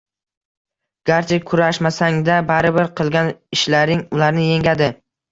Garchi kurashmasang-da, baribir qilgan ishlaring ularni yengadi!..